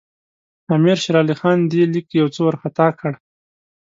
امیر شېر علي خان دې لیک یو څه وارخطا کړ.